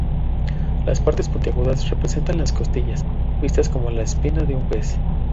Las partes puntiagudas representan las costillas, vistas como las espinas de un pez.